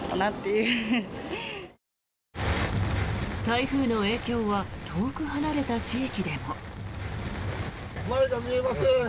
台風の影響は遠く離れた地域でも。